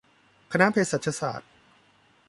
คณะเภสัชศาสตร์